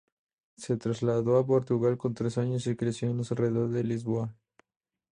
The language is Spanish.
Se trasladó a Portugal con tres años y creció en los alrededores de Lisboa.